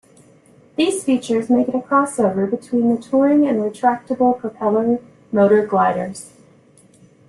These features make it a cross-over between the touring and retractable propeller motor gliders.